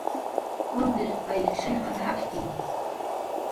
Kuntiriq ary shallqan jakki